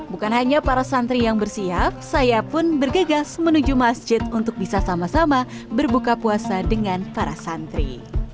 bukan hanya para santri yang bersiap saya pun bergegas menuju masjid untuk bisa sama sama berbuka puasa dengan para santri